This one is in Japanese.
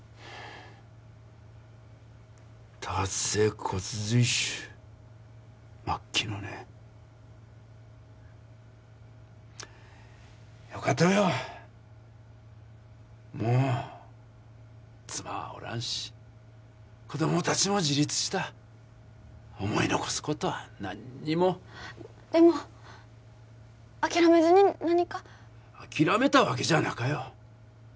多発性骨髄腫末期のねよかとよもう妻はおらんし子供達も自立した思い残すことは何にもでも諦めずに何か諦めたわけじゃなかよ